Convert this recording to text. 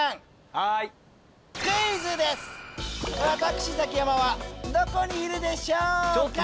私ザキヤマはどこにいるでしょうか？